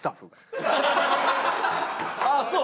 ああそう？